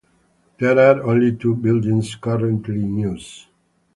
There are only two buildings currently in use.